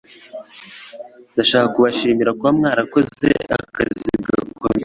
Ndashaka kubashimira kuba mwarakoze akazi gakomeye.